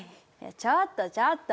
「ちょっとちょっと！